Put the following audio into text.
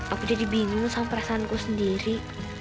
aku jadi bingung sama perasaanku sendiri